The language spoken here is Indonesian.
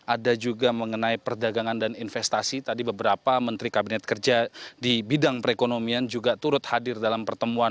ada juga mengenai perdagangan dan investasi tadi beberapa menteri kabinet kerja di bidang perekonomian juga turut hadir dalam pertemuan